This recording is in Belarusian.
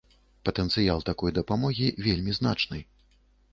Патэнцыял такой дапамогі вельмі значны.